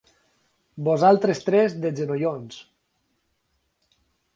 Vosaltres tres de genollons.